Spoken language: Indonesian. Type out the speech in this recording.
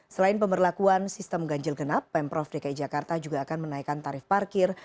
selain pemberlakuan sistem ganjil genap pemprov dki jakarta juga akan menaikkan tarif parkir